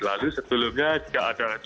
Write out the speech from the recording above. lalu sebelumnya tidak ada destakan